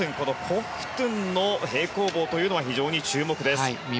コフトゥンの平行棒は非常に注目です。